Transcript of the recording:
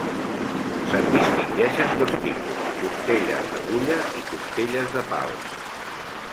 Se'n distingeixen dos tipus: costelles d'agulla i costelles de pal.